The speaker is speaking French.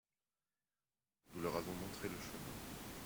nous leur avons montré le chemin.